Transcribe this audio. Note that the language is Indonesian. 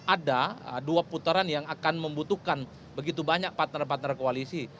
ada dua putaran yang akan membutuhkan begitu banyak partner partner koalisi